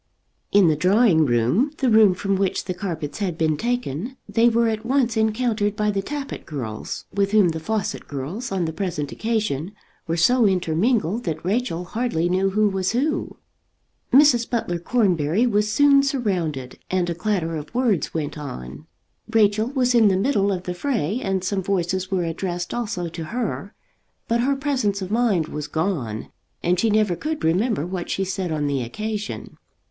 In the drawing room, the room from which the carpets had been taken, they were at once encountered by the Tappitt girls, with whom the Fawcett girls on the present occasion were so intermingled that Rachel hardly knew who was who. Mrs. Butler Cornbury was soon surrounded, and a clatter of words went on. Rachel was in the middle of the fray, and some voices were addressed also to her; but her presence of mind was gone, and she never could remember what she said on the occasion.